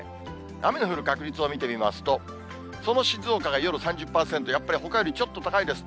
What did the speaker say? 雨の降る確率を見てみますと、その静岡が夜３０％、やっぱりほかよりちょっと高いです。